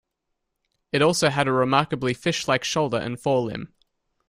It also had a remarkably fish-like shoulder and forelimb.